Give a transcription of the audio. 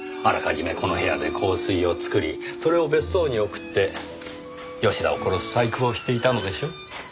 あらかじめこの部屋で香水を作りそれを別荘に送って吉田を殺す細工をしていたのでしょう。